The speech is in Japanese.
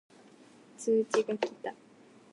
通知が来た